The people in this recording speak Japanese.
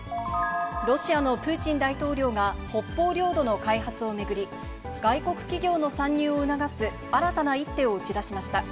ロシアのプーチン大統領が北方領土の開発を巡り、外国企業の参入を促す新たな一手を打ち出しました。